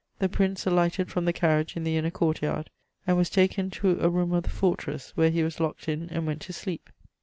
The Prince alighted from the carriage in the inner court yard and was taken to a room of the fortress, where he was locked in and went to sleep.